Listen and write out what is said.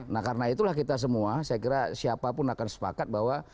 nah karena itulah kita semua saya kira siapapun akan sepakat bahwa